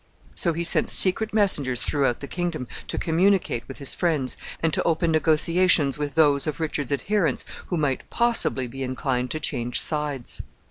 So he sent secret messengers throughout the kingdom to communicate with his friends, and to open negotiations with those of Richard's adherents who might possibly be inclined to change sides.